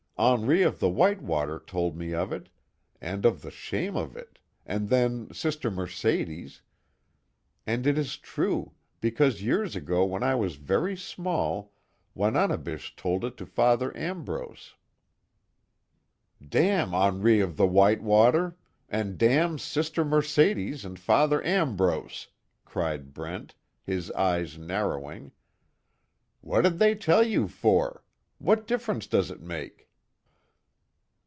Henri of the White Water told me of it, and of the shame of it and then Sister Mercedes and it is true, because years ago when I was very small, Wananebish told it to Father Ambrose " "Damn Henri of the White Water! And damn Sister Mercedes and Father Ambrose!" cried Brent, his eyes narrowing, "What did they tell you for? What difference does it make?"